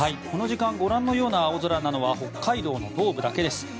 この時間ご覧のような青空なのは北海道の東部だけです。